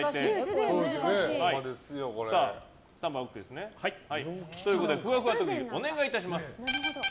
スタンバイＯＫですね。ということでふわふわ特技お願いします。